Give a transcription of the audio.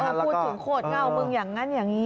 พูดถึงโคตรเหง้ามึงอย่างนั้นอีก